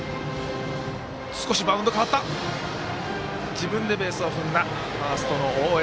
自分でベースを踏んだファーストの大江。